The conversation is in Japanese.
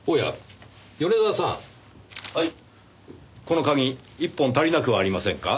この鍵１本足りなくはありませんか？